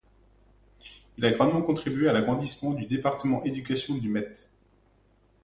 Il a grandement contribué à l'agrandissement du département éducation du Met.